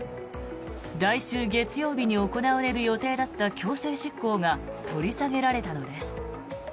来週月曜日に行われる予定だった強制執行が取り下げられたのです。